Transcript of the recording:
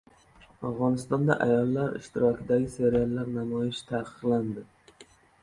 Afg‘onistonda ayollar ishtirokidagi seriallar namoyishi taqiqlandi